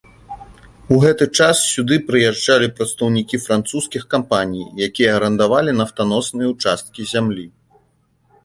У гэты час сюды прыязджалі прадстаўнікі французскіх кампаній, якія арандавалі нафтаносныя ўчасткі зямлі.